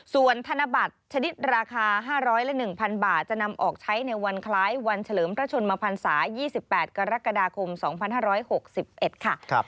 ส่วนธนบัตรชนิดราคา๕๐๐และ๑๐๐บาทจะนำออกใช้ในวันคล้ายวันเฉลิมพระชนมพันศา๒๘กรกฎาคม๒๕๖๑ค่ะ